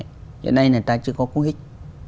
hiện nay người ta chưa có cú hích